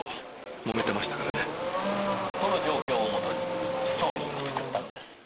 その状況を元にストーリーを作ったのです。